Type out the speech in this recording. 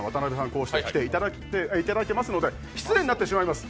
このように来ていただいていますので、失礼になってしまいます。